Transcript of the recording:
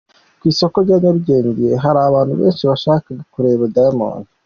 Ku isoko rya Nyarugenge hari abantu benshi bashakaga kureba Diamond.